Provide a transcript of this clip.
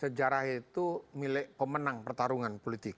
sejarah itu milik pemenang pertarungan politik